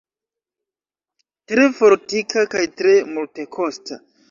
Tre fortika kaj tre multekosta.